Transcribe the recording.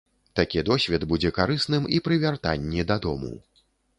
Такі досвед будзе карысным і пры вяртанні дадому.